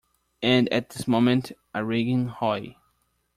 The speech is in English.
And at this moment a ringing "Hoy!"